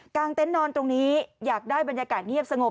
เต็นต์นอนตรงนี้อยากได้บรรยากาศเงียบสงบ